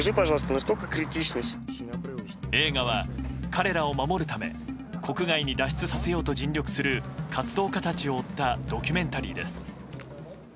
映画は彼らを守るため国外に脱出させようと尽力する活動家たちを追ったドキュメンタリーです。